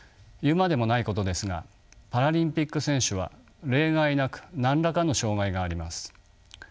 言うまでもないことですがパラリンピック選手は例外なく何らかの障がいがあります。